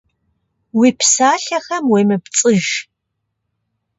Уи псалъэхэм уемыпцӏыж.